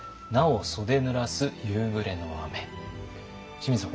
清水さん